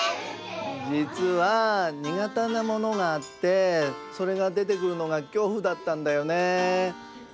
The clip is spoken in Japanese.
じつはにがてなものがあってそれがでてくるのが恐怖だったんだよね。